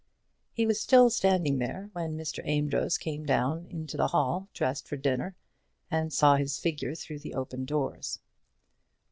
He was still standing there when Mr. Amedroz came down into the hall, dressed for dinner, and saw his figure through the open doors.